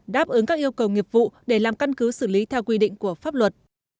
đáp ứng các yêu cầu nghiệp vụ để làm căn cứ xử lý theo quy định của pháp luật